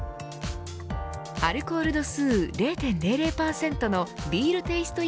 アルコール度数０．００％のビールテイスト